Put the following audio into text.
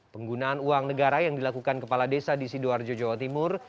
penggunaan uang negara yang dilakukan kepala desa di sidoarjo jawa timur